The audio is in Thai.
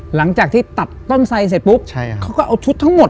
หลังจากที่ตัดต้นไสเสร็จปุ๊บเขาก็เอาชุดทั้งหมด